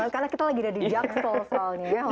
karena kita lagi ada di jaksal soalnya